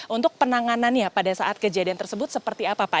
untuk penanganannya pada saat kejadian tersebut seperti apa pak